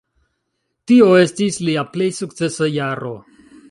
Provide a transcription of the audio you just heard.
Tio estis lia plej sukcesa jaro.